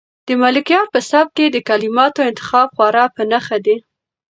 د ملکیار په سبک کې د کلماتو انتخاب خورا په نښه دی.